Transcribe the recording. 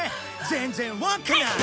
全然わっかない。